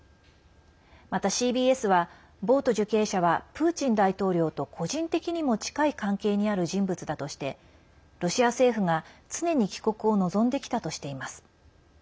またＣＢＳはボウト受刑者はプーチン大統領と個人的にも近い関係にある人物だとしてロシア政府が、常に帰国を望んできたとしています。